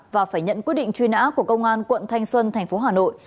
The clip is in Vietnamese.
và phải nhận quyết định truy nã của công an quận thanh xuân thành phố hà nội